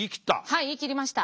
はい言い切りました。